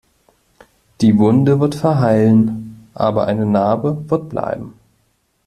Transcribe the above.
Die Wunde wird verheilen, aber eine Narbe wird bleiben.